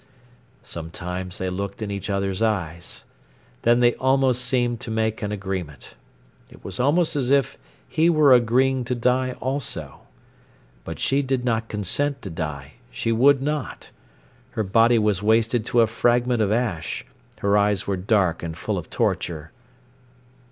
Sometimes they looked in each other's eyes. Then they almost seemed to make an agreement. It was almost as if he were agreeing to die also. But she did not consent to die; she would not. Her body was wasted to a fragment of ash. Her eyes were dark and full of torture.